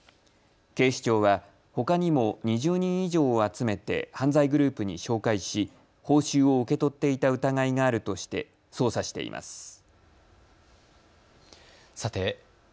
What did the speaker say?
警視庁はほかにも２０人以上を集めて犯罪グループに紹介し報酬を受け取っていた疑いがあるとして捜査しています。